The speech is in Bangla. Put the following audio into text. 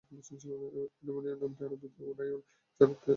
অ্যাডেনিয়াম নামটি আরবিতে ওডাইন, যার অর্থ অ্যাডেন অর্থাৎ ইয়েমেনের পূর্ব নাম।